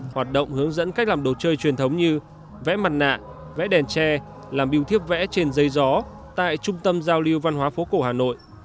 hoạt động hướng dẫn cách làm đồ chơi truyền thống như vẽ mặt nạ vé đèn tre làm biêu thiếp vẽ trên dây gió tại trung tâm giao lưu văn hóa phố cổ hà nội